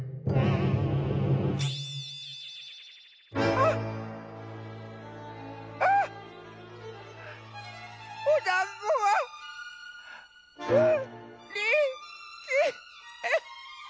あっあっおだんごがうりきれ。